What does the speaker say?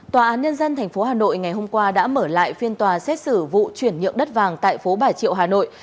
tòa án nhân dân tp hà nội ngày hôm qua đã mở lại phiên tòa xét xử vụ chuyển nhượng đất vàng tại phố bà triệu hà nội